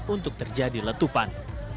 untuk terjadi letupan